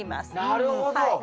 なるほど。